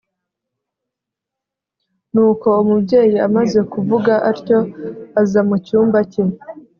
nuko umubyeyi amaze kuvuga atyo ajya mu cyumba ke